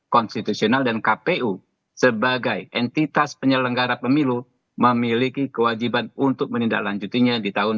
konstitusional dan kpu sebagai entitas penyelenggara pemilu memiliki kewajiban untuk menindaklanjutinya di tahun dua ribu dua puluh